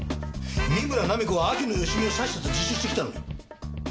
三村菜実子は秋野芳美を刺したと自首してきたんだぞ。